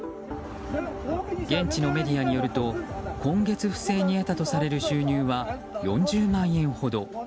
現地のメディアによると今月、不正に得たとする収入は４０万円ほど。